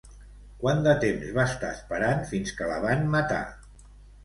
Quant de temps va estar esperant fins que la van matar?